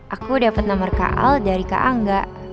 aku dapet nomer kak al dari kak angga